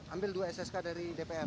ambil dua ssk dari dpr